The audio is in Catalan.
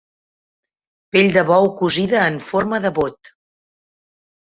Pell de bou cosida en forma de bot.